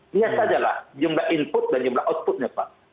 lihat sajalah jumlah input dan jumlah outputnya pak